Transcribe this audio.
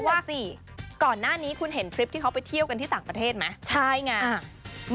ว่าสิก่อนหน้านี้คุณเห็นคลิปที่เขาไปเที่ยวกันที่ต่างประเทศไหมใช่ไง